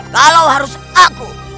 kalau harus aku